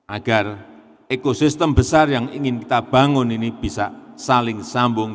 agar ekosistem besar yang ingin kita bangun ini bisa saling sambung